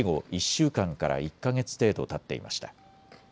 １週間から１か月程度たっていました。